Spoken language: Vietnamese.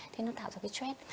thế nó tạo ra cái stress